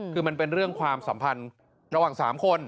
คือมันเป็นเรื่องความสัมพันธ์ระหว่าง๓คน